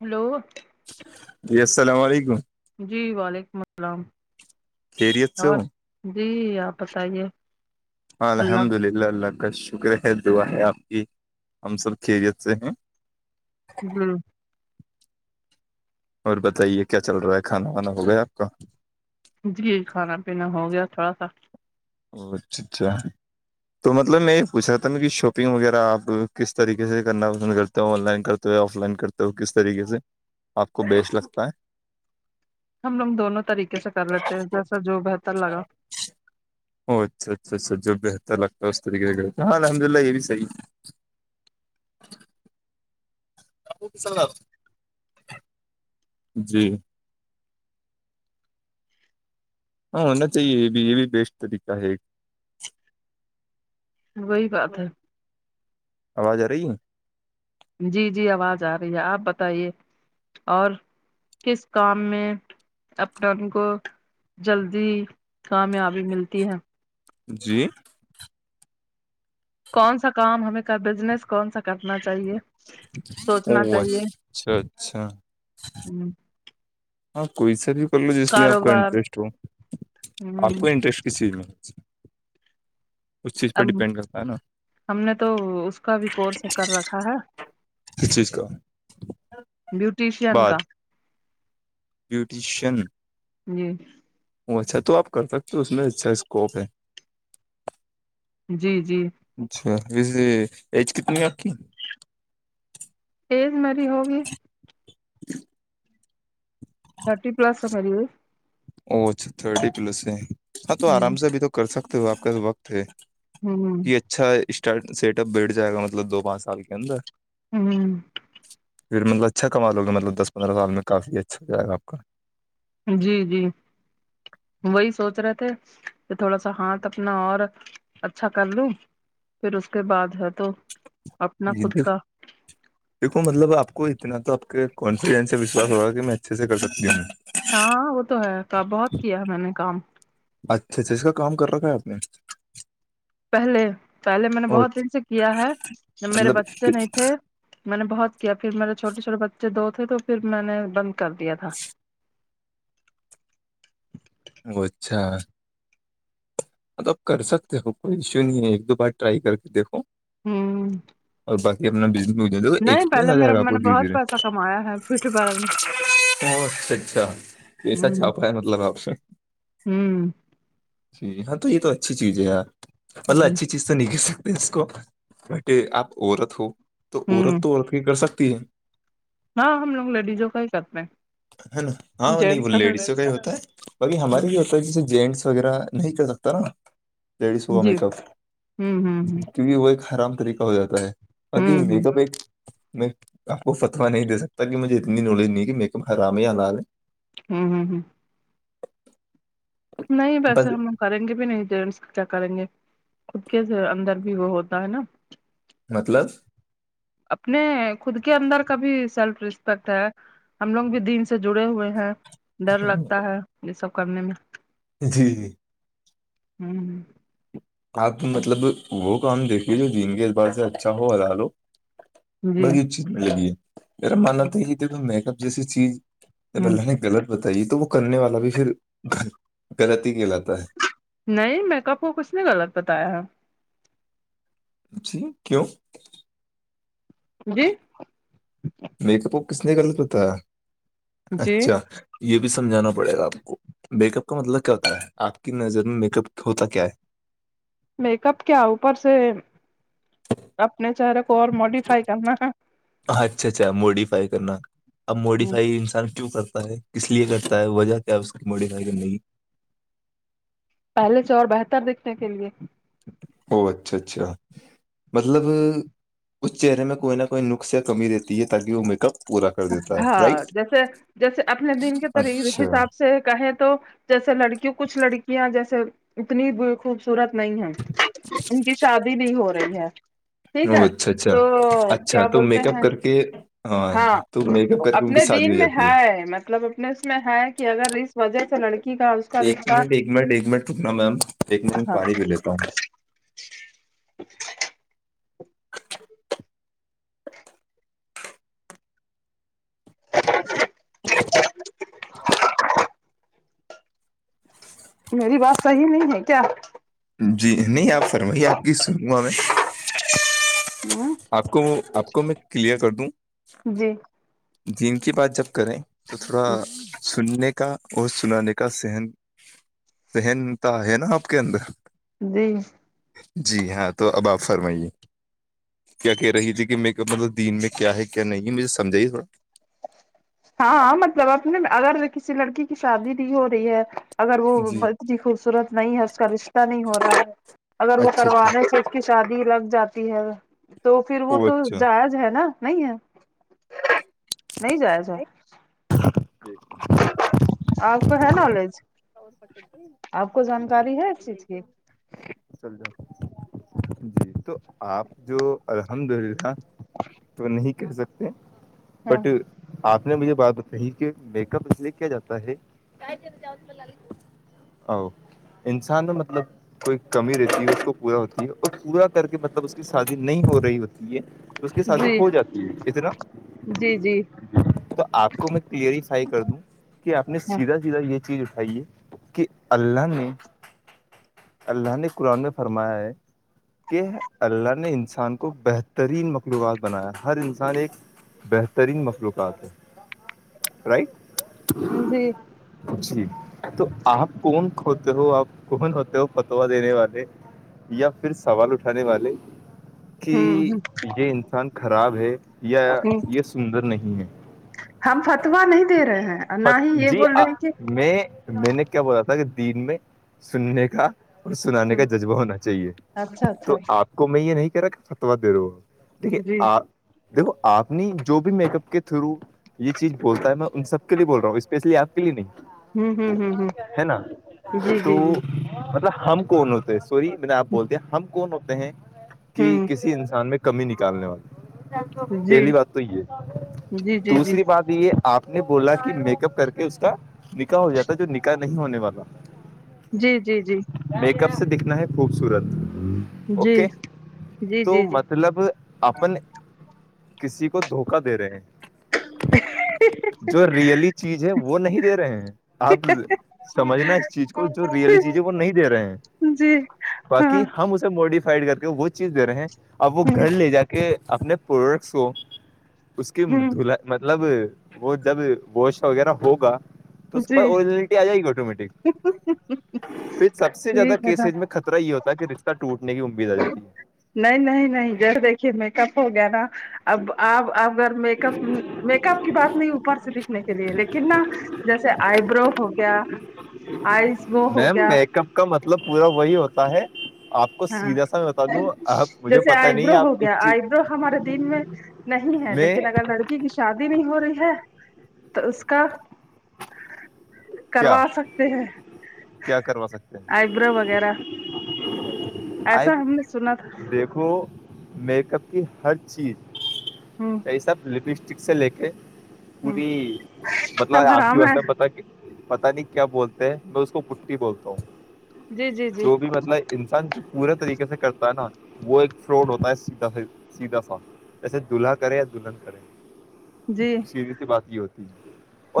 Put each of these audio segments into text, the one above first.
hello جی السلام علیکم جی وعلیکم السلام خیریت سے اور ہوں جی آپ بتائیے اللہ اللہ اللہ کا شکر ہے دعا ہے آپ کی ہم سب خیریت سے ہیں جی اور بتائیے کیا چل رہا ہے کھانا وانا ہو گیا ہے آپ کا جی کھانا پینا ہو گیا تھوڑا سا او اچھا اچھا تو مطلب میں یہ پوچھ ساتا تھا کہ شاپنگ وغیرہ آپ کس طریقے سے کرنا پسند کرتے آن لائن کرتے ہو آف لائن کرتے ہو کس طریقے سے آپ کو بیسٹ لگتا ہے ہم لوگ دونوں طریقے سے کر لیتے ہیں جیسا جو بہتر لگا او اچھا اچھا اچھا جو بہتر لگتا ہے اس طریقے سےتے ہیں ہاں الحمد للہ یہ بھی صحی ہے ربو کسنگ جی ہاں ہونا چاہیے یہ بھی یہ بھی بیسٹ طریقہ ہے ایک وہی بات ہے آواز آ رہی جی جی آواز آ رہی ہے آپ بتائیے اور کس کام میں اپنا ان کو جلدی کامیابی ملتی ہے جی کون سا کام ہمیں کا بزنس کون سا کرنا چاہیے او سوچنا چاہیے اچھا اچھا ہ آپ کوئی سا بھی کر لو جس میں آپ کا کاروبار انٹرسٹ ہو ہ آپ کو انٹرسٹ کس چیز میں اس چیز پہ اب ڈیپینڈ کرتا ہے نا ہم نے تو اس کا بھی کورس کر رکھا ہے اس چیز کا بیوٹیشین کا بیوٹیشن جی وہ اچھا تو آپ کر سکتے ہو اس میں اچھا اسکوپ ہے جی جی اچھا ویسے ایج کتنی ہے آپ کی تز مری ہوگی تھرٹی پلس ر پیریے او اچھا تھرٹی پلس ہے ہاں تو ایج آرام سے اب تو کر سکتے ہو آپ کا وقت ہے ہوں ہ یہ اچھا اسٹار سیٹ اپ بیٹھ جائے گا مطلب دو پانچ سال کے اندر ہوں پھر مطلبچھام لوے مطلبس پندرہ سال میں کافی اچھا جائے گا آ کا جی جی وہی سوچ رہے تھے کہ تھوڑا سا ہاتھ اپنا اور اچھا کر لوں پھر اس کے بعد ہے تو اپنا خود جدو کا دیکو مطلب آپ کو اتنا تو آپ کے کانفیڈینس سے وشواس ہوگا کہ میں اچھے سے کر سکتی ہوں ہاں وہ تو ہے کا بہت کیا میں نے کام اچھا اچھا اس کا کام کر رکھا ہے آپ نے پہلے پہلے میں نے اور بہت دن سے کیا ہے جب میرے مطلب بچے نہیں تھے میں نے بہت کیا پھر میرے چھوٹے چھوٹے بچے دو تھے تو پھر میں نے بند کر دیا تھا اچھا مطل اب کر سکتے ہو کوئی ایشو نہیں ہے ایک دو بار ٹرائی کر کے دیکھو ہ اور باقی اپنا بز نہیں ایکسپرینس پہلے آ میرا جائے باپ میں نے در بہت دھیرے پیسہ کمایا ہے فیوٹی پارلر ا اچھا اچھا کیسا چھاپا ہے مطلب آپ سے ہوں جی ہاں تو یہ تو اچھی چیز ہے ار ہ مطلب ہ اچھی چیز تو تو نہیںکل سکتے اس کو ب کہ آپ عورت ہو تو عورت ہوں تو عورت کی کر سکتی ہے ہاں ہم لوگ لیڈیزوں کا ہی کرتے ہیں نا ہاں جینٹس تو لیڈیسوں کا ہی ہوتا ہے باقی ہمارے بھی ہوتا ہے جیسے جینٹس وغیرہ نہیں کر سکتا نا لیڈیز ہوا جی میک اپ ہوں ہوں کیکہ وہ ایک آرام طریقہ ہو جاتا ہے ہ بقی ہوں ہ میک اپ ایک میں آپ کو فتوا نہیں دے سکتا کہ مجھے اتنی نالج نہیں کہ میرے حرام ہے لال ہے ہوں ہوں ہوں نہیں بس ہم کریں گے بھی نہیںس کیا کریں گے خود کے اندر بھی وہ ہوتا ہے نا مطلب اپنے خود کے اندر کا بھی سیلف رسپیکٹ ہے ہم لوگ بھی دن سے جڑے ہوئے ہیں ڈر لگتا ہے یہ سب کرنے میں جی جی ہوں آپ مطلب وہ کام دیکھیے جو دین کے اعتبار سے اچھا ہو حزال ہو جی باقی ا چیز ملے گی ہے میرا ماننا تھا یہ کہ تو میک اپ جیسی چیز جب ہ اللہ نے غلط بتائیے تو وہ کرنے والا بھی پھر غلط ہی کہلاتا ہے نہیں میں کپ کو کچھ نہیں غلط بتایا ہے جی کیوں جی میک اپ کس نے غلط ہوتا ہے جی اچھا یہ بھی سمجھانا پڑے گا آپ کو میک اپ کا مطلب کیا ہوتا ہے آپ کی نظر میں میک اپ ہوتا کیا ہے میک اپ کیا اوپر سے اپنے چہرے کو اور موڈیفائی کرنا ہے اچھا اچھا موڈیفائی کرنا اب موڈیفائی انسان کیوں کرتا ہے اس لیے کرتا ہے وجہ کیا اک موڈیف ہے کہ نہیں پہلے سے اور بہتر دیکھنے کے لیے او اچھا اچھا مطلب اس چہرے میں کوئی نہ کوئی نک یا کمی رہتی ہے تاکہ وہ میک اپ پورا کر دیتا ہے ہاں رائٹ جیسے جیسے اپنے دن کےری اچھا حساب سے کہیں تو جیسے لڑکی کچھ لڑکیاں جیسے اتنی خوبصورت نہیں ہے ان کی شادی بھی ہو رہی ہے ٹھیک او ہے اچھا تو کیا بولتے ہیں کہ ہاں اپنے دین میں جاتی ہے مطلب میں ہے کہ اگر اس وجہ سے لڑکی کا اس کا ایک رشتہ منٹ ایک منٹ ایک منٹ رکنا میم ایک منٹ میں ہاں پانی پی لیتا ہوں [inaudible] [inaudible] میری بات صحیح نہیں ہے کیا جی نہیں آپ فرمائیے آپ کی سنوں گا میں ہ آپ کو وہ آپ کو میں کلیئر کر دوں جی جین کی بات جب کریں تو تھوڑا سننے کا اور سنانے کا سہن سہنتا ہے نا آپ کے اندر جی جی ہاں تو اب آپ فرمائیے کیا کہہ رہی تھی کہ میں مطلب دین میں کیا ہے کیا نہیں ہے مجھے سجھا ہی تھوڑا ہاں مطلب اپ نے اگر کسی لڑکی کی شادی نہیں ہو رہی ہے اگر وہ جی اتنی خوبصورت نہیں ہے اس کا رشتہ نہیں ہو رہا ہے اگر وہ اچھا اچھا کروانے سے اس کی شادی لگ جاتی ہے تو پھر وہ او تو اچھا جائز ہے نا نہیں ہے نہیں جائے سے جی [unintelligible] آپ کو ہے نالج آپ کو جانکاری ہے اس چیز کی چل جا جی تو آپ جو الحمد للہ [unintelligible] تو نہیں کہہ سکتے ہاں بٹ [unintelligible] آپ نے مجھے بات بتائی کہ میک اپ اس لیے کیا جاتا ہے گ ت رہا جات ملہ او انسان مطلب کوئی کمی رہتی ہے اس کو پورا ہوتی ہے اور پورا کر کے مطلب اس کی شادی نہیں ہو رہی ہوتی ہے تو اس کی شادی جی ہو جاتی ہے اتنا جی جی تو آپ کو میں کلیریفائی کر دوں کہ آپ نے ہاں سیدھا سیدھا یہ چیز اٹھائی ہے کہ اللہ نے اللہ نے قرآن میں فرمایا ہے کہ اللہ نے انسان کو بہترین مخلوبات بنایا ہر انسان ایک بہترین مخلوقات ہے رائٹ ہ جی پوچی تو آپ کون ہوتے ہو آپ کون ہوتے ہو فتوا دینے والے یا پھر سوال اٹھانے والے کہ ہوں یہ انسان خراب ہے یا ہ یہ سندر نہیں ہے ہم فتوا نہیں دے رہے ہیں اور ہے نہ ہی یہ جی بول رہے ہیں کہ میں میں نے کیا بولا تھا کہ دین میں سننے کا اور سنانے کا جذبہ ہونا چاہیے اچھا اچھا تو اچھا آپ کو میں یہ نہیں کر رہا کہ فتوہ دے رہا ہ دیکھیے جی آپ دیکھو آپ نے جو بھی میک اپ کے تھرو یہ چیز بولتا ہے میں ان سب کے لیے بول رہا ہوں اسپیشلی آپ ہوں نہیں ہوں ہوں ہے نا ہ جی تو جی جی مطلب ہم کون ہوتے ہیں سوری میں آپ بولتے ہیں ہم کون ہوتے ہیں کہ ہوں کسی انسان میں کمی نکالنے والی جی پہلی بات تو یہ ہے جی جی جی دوسری بات یہ آپ نے بولا کہ میک اپ کر کے اس کا نکح ہو جاتا جو نکاح نہیں ہونے والا جی جی جی میک اپ سے دکھنا ہے خوبصورت جی اوکے جی جی تو جی م فلب اپن کسی کو دھوکا دے رہے ہیں ا [unintelligible] جو ریئلی چیز ہے وہ نہیں دے رہے ہیں اب سمجھنا اس چیز کو جو ریئلی چیز ہے وہ نہیں دے رہے ہیں جی باقی ہاں ہم اسے موڈیفائڈ کر کے وہ چیز دے رہے ہیں اب وہ ہ گھر لے جا کے کہ اپنے پرکس کو اس کی ہ دلا مطلب وہ جب گوش وغیرہ ہوگا تو اس کے جی پاسجینلٹی آ جائے گی آٹومیٹک پھر سب سے زیادہ ٹھیک ہے نا کیسز میں خطرہ ہی ہوتا رشتہ ٹوٹنے کی امید آ جاتی ہے نہیں نہیں نہیں جر دیکھیے میک اپ ہو گیا نا اب آپ اب ا میک اپ میک اپ کی بات نہیں اوپر سے دکھنے کے لیے لیکن نہ جیسے آئیبرو ہو گیا آئز وہ ہو میم گیا میک اپ کا مطلب پورا وہی ہوتا ہے آپ کو ہاں سیدھا سا میں بتا دوں آپ مجھے جیسے پتا نہیں آئیبرو آپ ہو اس گیا چیز آئیبرو ہمارے دن میں نہیں ہے میں لیکن اگر لڑک کی شادی نہیں ہو رہی ہے تو اس کا کیا کروا سکتے ہیں کیا کروا سکتے ہیں آئیبرو وغیرہ آئی ایسا ہم نے سنا تھا دیکھو میک اپ کی ہر چیز ہوں سب لپسٹک سے لے کے ہوں پوری مطلب سب آپ کی حرام ہے وسا مطلب پتا نہیں کیا بولتے ہیں میں اس کو پٹٹی بولتا ہوں جی جی جی جو بھی مطلب انسان جو پورے طریقے سے کرتا ہے نا وہ ایک فراڈ ہوتا ہے سیدھا سے سیدھا سا جیے دلہاے یالہن کرے جی چیزیں سے بات یہ ہوتی ہے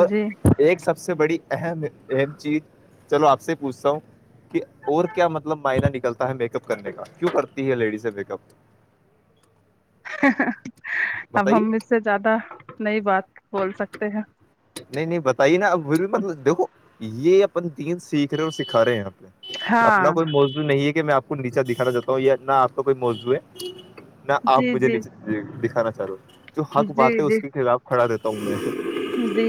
اور جی ایک سب سے بڑی چیز چلو آپ سے پوچھتا ہوں کہ اور کیا مطلب معائنا نکلتا ہے میک اپ کرنے کا کیوں کرتی ہے لیڈیز ہے میک اپ اب بتائیے ہم اس سے زیادہ نئی بات بول سکتے ہیں نہیں نہیں بتائیے نا اب پھر بھی مطلب دیکھو یہ اپن دین سیکھ رہے ہیں اور سکھا رہے ہیں اپنے اپنا ہاں کوئی موضوع نہیں ہے کہ میں آپ کو نیچا دکھانا چاہتا ہوں یانا آپ کا کوئی موضوع ہے نہ آپ جی مجھے جی نیچے دکھانا چاہ رہے ہو جو حق جی بات ہے اس جی کے خلاف کھڑا دیتا ہوں میں جی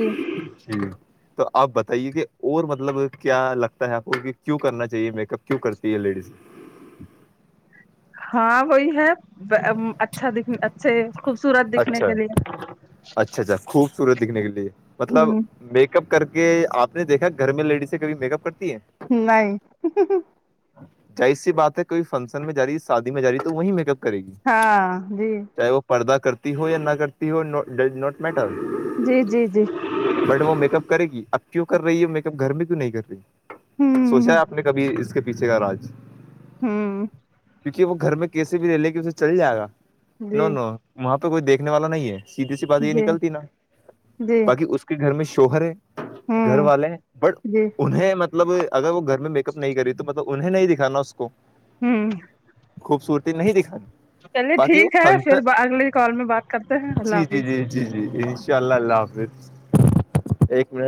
یکا تو آپ بتائیے کہ اور مطلب کیا لگتا ہے آپ کو کہ کیوں کرنا چاہیے میک اپ کیوں کرتی ہے لیڈیز ہاں وہی ہے اچھا دکھ اچھے خوبصورت دکھنے اچھا کے لیے اچھا اچھا خوبصورت دکھنے کے لیے مطلب ہ میک اپ کر کے آپ نے دیکھا گھر میں لیڈیزیں کبھی میک اپ کرتی ہیں نہیں جاہیز سی بات ہے کوئی فنکشن میں جا رہی ہے شادی میں جا رہی ہے تو وہی میک اپ کرے گی ہاں جی چاہے وہ پردہ کرتی ہو یا نہ کرتی ہو ڈز ناٹ میٹر جی جی جی بٹ وہ میک اپ کرے گی اب کیوں کر رہی ہے میک اپ گھر میں کیوں نہیں کر رہی سوچا ہوں ہے آپ نے کبھی اس کے پیچھے کا راج ہاں کیکہ وہ گھر میں کیسے بھی رہے لے کے اسے چل جائے گا نو جی نو وہاں پہ کوئی دیکھنے والا نہیں ہے سیدھھی سی بات یہ جی نکلتی نا جی باقی اس کے گھر میں شوہر ہے گھر ہوں والے ہیں بٹ جی انہیں مطلب مطلب اگر وہ گھر میں میک اپ نہیں کری تو مطلب انہیں نہیں دکھانا اس کو ہوں خوبصورتی نہیں دکھانی چلیے باقی وہ ٹھیک ہے فن پھر اگلی کال میں بات کرتے ہیں جی اللہ جی حافظ جی جی جی جی انشاء اللہ اللہ اللہ حافظ ایک منٹ